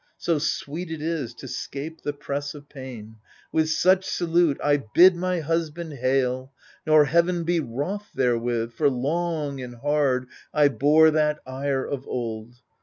So sweet it is to 'scape the press of pain. With such salute I bid my husband hail 1 Nor heaven be wroth therewith ! for long and hard I bore that ire of old.